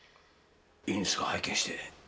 いいんですか拝見して。